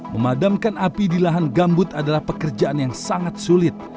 memadamkan api di lahan gambut adalah pekerjaan yang sangat sulit